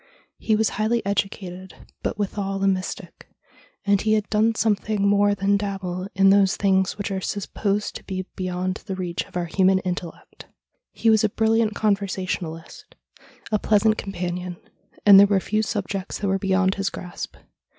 He was highly educated, but withal a mystic, and he had done something more than dabble in those things which are supposed to be beyond the reach of our human intellect. He was a brilliant conver sationalist, a pleasant companion, and there were few subjects that were beyond his grasp.